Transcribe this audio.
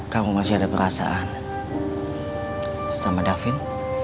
kamu masih ada perasaan sama davin